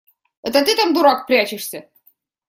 Это ты там, дурак, прячешься?